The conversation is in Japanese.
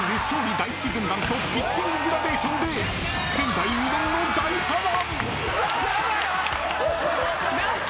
大好き軍団とピッチンググラデーションで前代未聞の大波乱！